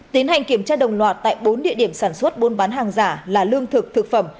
tiến hành kiểm tra đồng loạt tại bốn địa điểm sản xuất buôn bán hàng giả là lương thực thực phẩm